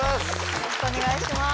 よろしくお願いします。